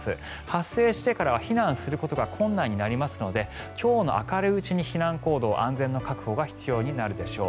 発生してからは避難することが困難になりますので今日の明るいうちに避難行動安全の確保が必要になるでしょう。